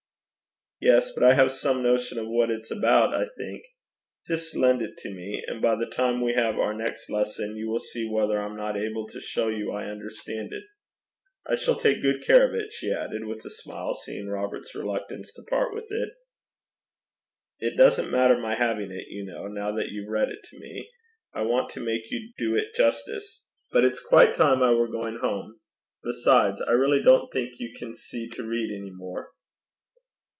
'Yes; but I have some notion of what it's about, I think. Just lend it to me; and by the time we have our next lesson, you will see whether I'm not able to show you I understand it. I shall take good care of it,' she added, with a smile, seeing Robert's reluctance to part with it. 'It doesn't matter my having it, you know, now that you've read it to me, I want to make you do it justice. But it's quite time I were going home. Besides, I really don't think you can see to read any more.'